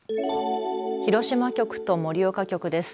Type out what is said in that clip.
広島局と盛岡局です。